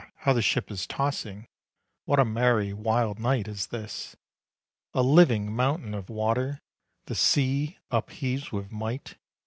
how the ship is tossing, What a merry wild night is this! A living mountain of water The sea upheaves with might.